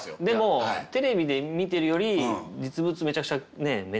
でもテレビで見てるより実物めちゃくちゃねえ？